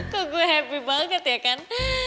kok gue happy banget ya kan